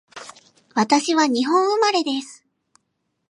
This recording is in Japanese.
私は日本生まれです